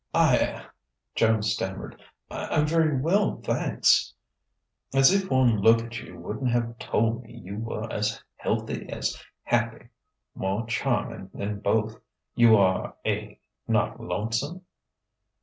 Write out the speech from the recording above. "I" Joan stammered "I'm very well, thanks." "As if one look at you wouldn't have told me you were as healthy as happy more charming than both! You are eh not lonesome?"